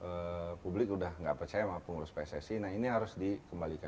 sekarang kan publik sudah nggak percaya mengapa pengurus pssi nah ini harus dikembalikan